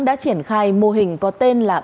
đã triển khai mô hình có tên là